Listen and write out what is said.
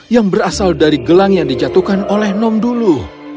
yang berasal dari gelang yang dijatuhkan oleh nom dulu